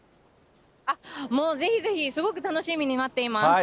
もうぜひぜひ、すごく楽しみに待っています。